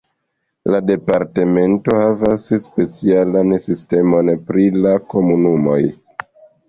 La departemento havas specialan sistemon pri la komunumoj.